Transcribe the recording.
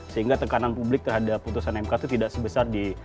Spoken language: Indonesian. sehingga tekanan publik terhadap putusan mk itu tidak sebesar di